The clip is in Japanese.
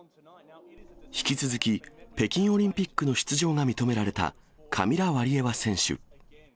引き続き、北京オリンピックの出場が認められたカミラ・ワリエワ選手。